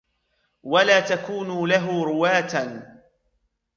وَلَا تَكُونُوا لَهُ رُوَاةً